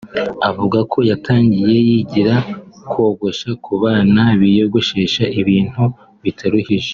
Avuga ko yatangiye yigira kogosha ku bana biyogoshesha ibintu bitaruhije